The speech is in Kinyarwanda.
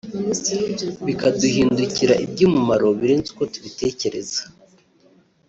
bikaduhindukira iby’umumaro birenze uko tubitekereza